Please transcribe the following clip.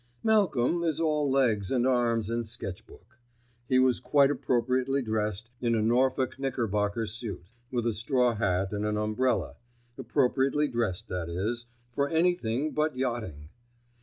Malcolm is all legs and arms and sketch book. He was quite appropriately dressed in a Norfolk knickerbocker suit, with a straw hat and an umbrella—appropriately dressed, that is, for anything but yachting.